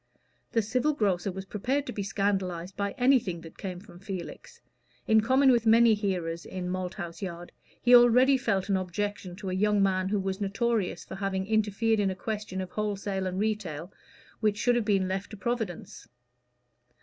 The civil grocer was prepared to be scandalized by anything that came from Felix. In common with many hearers in Malthouse Yard, he already felt an objection to a young man who was notorious for having interfered in a question of wholesale and retail, which should have been left to Providence.